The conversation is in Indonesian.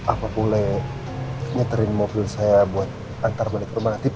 apa boleh nyeterin mobil saya buat antar balik ke rumah aktif